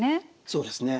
そうですね。